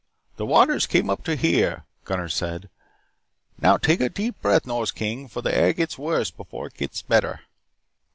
"The waters came up to here," Gunnar said. "Now, take a deep breath, Nors King, for the air gets worse before it gets better."